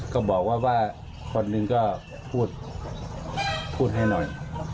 ก็บอกว่าคนหนึ่งก็พูดพูดให้หน่อย